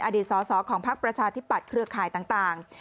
อดีตซ้อของภาคประชาธิบัตรเครือข่ายต่าง